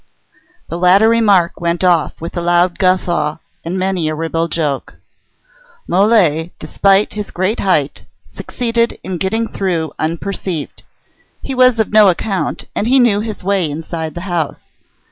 The latter remark went off with a loud guffaw and many a ribald joke. Mole, despite his great height, succeeded in getting through unperceived. He was of no account, and he knew his way inside the house.